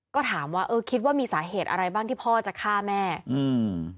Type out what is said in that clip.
ก็ถามว่าเออคิดว่ามีสาเหตุอะไรบ้างที่พ่อจะฆ่าแม่อืม